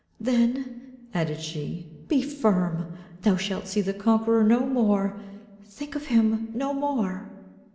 then," added she, "be firm. Thou shalt see the conqueror no more. Think of him no more."